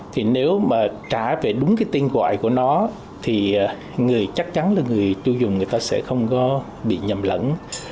thì nếu mà trả về đúng cái tên gọi của nó thì người chắc chắn là người tiêu dùng người ta sẽ không có bị nhầm lẫn